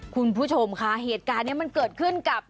คุณผู้ชมคะเหตุการณ์นี้มันเกิดขึ้นกับ